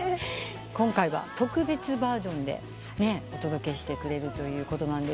今回は特別バージョンでお届けしてくれると。